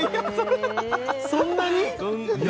そんなに？